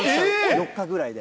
４日ぐらいで。